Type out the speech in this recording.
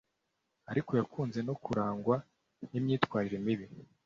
ariko yakunze no kurangwa n’imyitwarire mibi